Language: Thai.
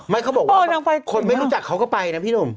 เขาบอกว่าคนไม่รู้จักเขาก็ไปนะพี่หนุ่ม